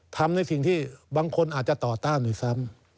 ทำในสิ่งที่บางคนอาจจะต่อต้านด้วยซ้ำ